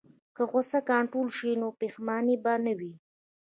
که غوسه کنټرول شي، نو پښیماني به نه وي.